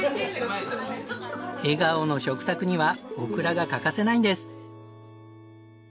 笑顔の食卓にはオクラが欠かせないんです。